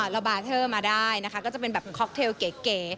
ระบาเทอร์มาได้นะคะก็จะเป็นแบบค็อกเทลเก๋